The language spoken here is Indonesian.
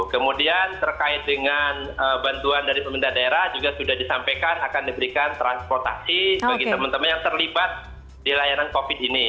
kemudian terkait dengan bantuan dari pemerintah daerah juga sudah disampaikan akan diberikan transportasi bagi teman teman yang terlibat di layanan covid ini